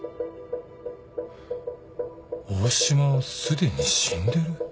大島はすでに死んでる？